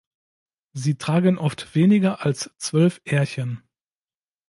Sie tragen oft weniger als zwölf Ährchen.